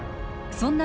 そんな